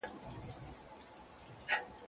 قام به راټول سي، پاچاخان او صمد خان به نه وي